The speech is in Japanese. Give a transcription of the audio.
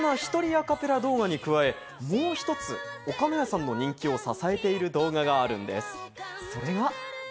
そんな、ひとりアカペラ動画に加え、もう一つ、おかのやさんの人気を支えている動画があるんです。